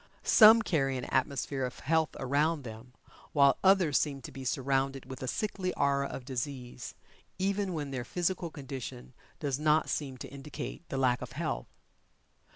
Some carry an atmosphere of health around them, while others seem to be surrounded with a sickly aura of disease, even when their physical condition does not seem to indicate the lack of health.